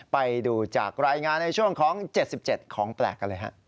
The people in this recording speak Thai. ไปดูจากรายงานในช่วงของ๗๗ของแปลก